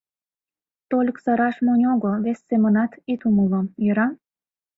Тольык сыраш монь огыл, вес семынат ит умыло, йӧра?